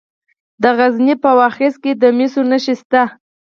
د غزني په واغظ کې د مسو نښې شته.